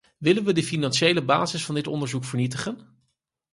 Willen we de financiële basis van dit onderzoek vernietigen?